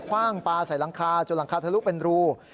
ว่างปลาใส่หลังคาจนหลังคาทะลุเป็นรู